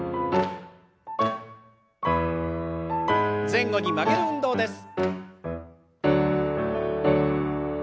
前後に曲げる運動です。